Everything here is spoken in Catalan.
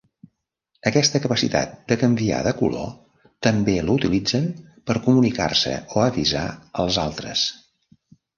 Aquesta capacitat per canviar de color també la utilitzen per comunicar-se o avisar als altres.